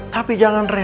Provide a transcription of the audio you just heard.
tapi jangan rena